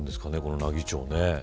奈義町は。